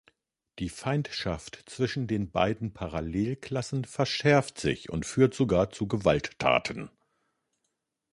Die Feindschaft zwischen den beiden Parallelklassen verschärft sich und führt sogar zu Gewalttaten.